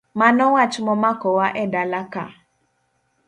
Mano wach momako wa edalaka.